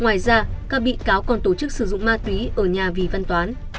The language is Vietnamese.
ngoài ra các bị cáo còn tổ chức sử dụng ma túy ở nhà vị văn toán